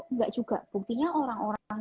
enggak juga buktinya orang orang